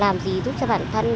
làm gì giúp cho bản thân